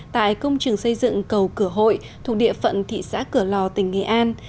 tại công trường xây dựng cầu cửa hội thuộc địa phận thị xã cửa lò tỉnh nghệ an